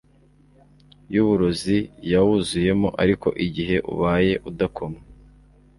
y’uburozi yawuzuyemo, ariko igihe ubaye udakomwe